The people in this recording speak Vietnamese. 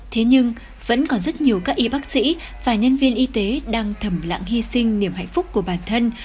thế nhưng vẫn còn rất nhiều các y bác sĩ và nhân viên y tế đang thầm lặng hy sinh niềm hạnh phúc của bản thân